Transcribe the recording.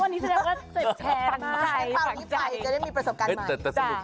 มีอักษรภาพที่ไปจะได้มีประสบการณ์ใหม่